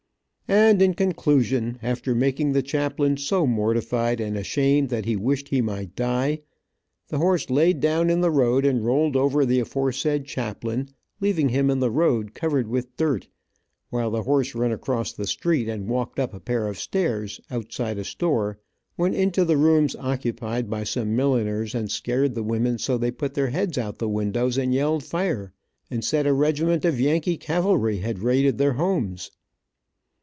And in conclusion, after making the chaplain so mortified and ashamed that he wished he might die, the horse laid down in the road and rolled over the aforsaid chaplain, leaving him in the road covered with dirt, while the horse run across the street and walked up a pair of stairs, outside a store, went into the rooms occupied by some milliners and scared the women so they put their heads out of the windows and yelled fire, and said a regiment of Yankee cavalry had raided their homes.